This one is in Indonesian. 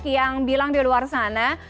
yang bilang di luar sana